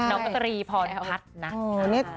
น้องก็ตรีพรพัฒน์นะ